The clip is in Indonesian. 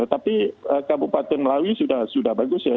tapi kabupaten melawi sudah bagus ya